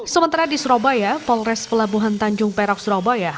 sementara di surabaya polres pelabuhan tanjung perak surabaya